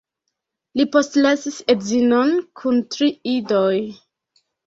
Li postlasis edzinon kun tri idoj.